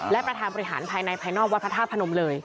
และประธานบริหารภายในภายนอกวัดพระธาตุพนมเลย